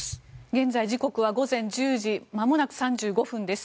現在時刻は午前１０時まもなく３５分です。